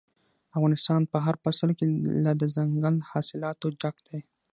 افغانستان په هر فصل کې له دځنګل حاصلاتو ډک دی.